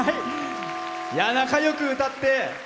仲よく歌って。